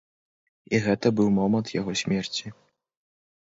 І гэта быў момант яго смерці.